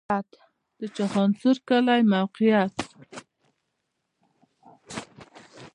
د چخانسور کلی موقعیت